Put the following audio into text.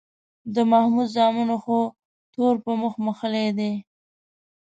د محمود زامنو خو تور په مخ موښلی دی